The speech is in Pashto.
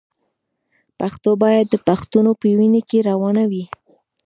پښتو باید د پښتنو په وینه کې روانه وي.